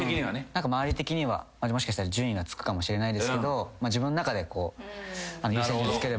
何か周り的にはもしかしたら順位がつくかもしれないですけど自分の中でこう優先順位つければ。